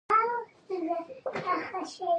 زه ولی درس وایم؟